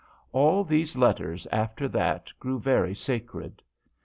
",A11 these letters after that grew very sacred.